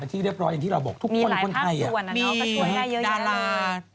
ที่เรียบร้อยอย่างที่เราบอกทุกคนคนไทยมีหลายภาพส่วนอะเนอะประชุมให้เยอะเลย